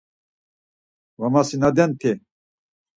Va masimadenti.